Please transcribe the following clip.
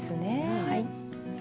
はい。